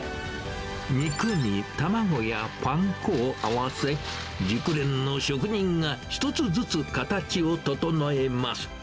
肉に卵やパン粉を合わせ、熟練の職人が一つずつ形を整えます。